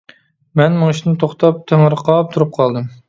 مەن مېڭىشتىن توختاپ تېڭىرقاپ تۇرۇپ قالدىم.